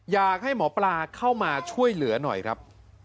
อยากให้หมอปลาเข้ามาช่วยเหลือหน่อยครับ